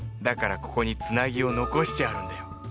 だからここにつなぎを残してあるんだよ。